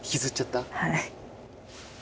はい。